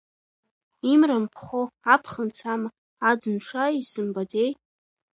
Имра мԥхо аԥхын цама, аӡын шааиз сымбаӡеи?